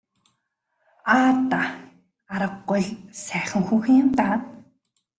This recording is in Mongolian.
Аа даа аргагүй л сайхан хүүхэн юм даа.